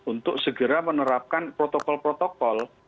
untuk segera menerapkan protokol protokol